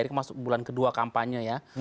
ini masuk bulan kedua kampanye ya